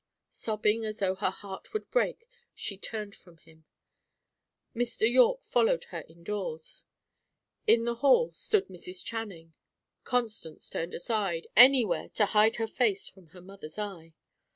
Sobbing as though her heart would break, she turned from him. Mr. Yorke followed her indoors. In the hall stood Mrs. Channing. Constance turned aside, anywhere, to hide her face from her mother's eye.